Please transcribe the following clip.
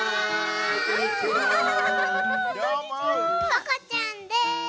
ここちゃんです！